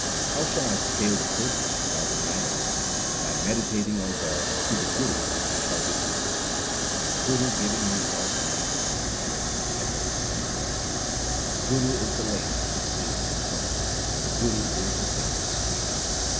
How shall I scale the fortress without a ladder ? By meditating on God through the Guru I shall behold Him. The Guru giving me God s name is my ladder, my boat, and my raft ; The Guru is the lake, the sea, and the boat ; the Guru is the sacred stream.